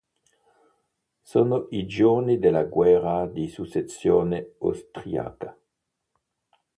Sono i giorni della guerra di successione austriaca.